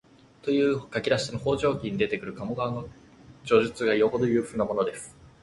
という書き出しの「方丈記」に出ている鴨川の叙述がよほど有数なものです